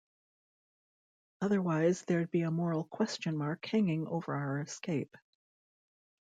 Otherwise there'd be a moral question mark hanging over our escape.